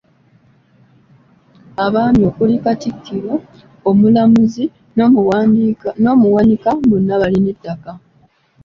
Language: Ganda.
Abaami okuli Katikkiro, Omulamuzi n’Omuwanika bonna balina ettaka.